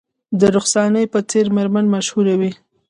د رخسانې په څیر میرمنې مشهورې وې